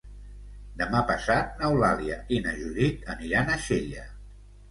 Demà passat n'Eulàlia i na Judit aniran a Xella.